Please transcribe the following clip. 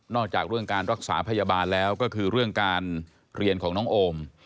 จากเรื่องการรักษาพยาบาลแล้วก็คือเรื่องการเรียนของน้องโอม